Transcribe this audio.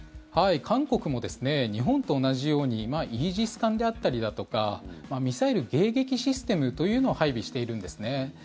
韓国も日本と同じようにイージス艦であったりだとかミサイル迎撃システムというのを配備しているんです。